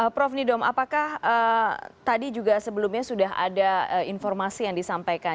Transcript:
prof nidom apakah tadi juga sebelumnya sudah ada informasi yang disampaikan